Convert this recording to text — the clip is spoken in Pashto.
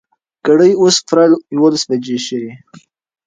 ګړۍ اوس پوره يولس بجې ښيي.